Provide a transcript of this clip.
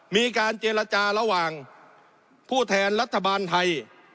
มีการเจรจาระหว่างผู้แทนรัฐบาลไทย